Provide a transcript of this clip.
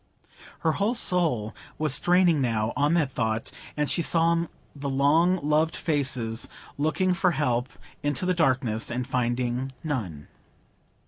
Her whole soul was strained now on that thought; and she saw the long loved faces looking for help into the darkness, and finding none.